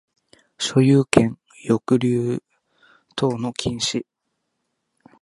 所有権留保等の禁止